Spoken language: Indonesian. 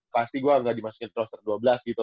pasti gua gak dimasukin roster dua belas gitu